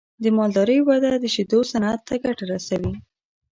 د مالدارۍ وده د شیدو صنعت ته ګټه رسوي.